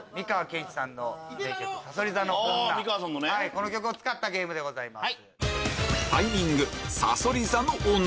この曲を使ったゲームでございます。